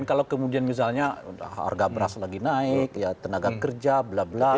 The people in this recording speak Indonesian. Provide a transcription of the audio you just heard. kalau kemudian misalnya harga beras lagi naik ya tenaga kerja bla bla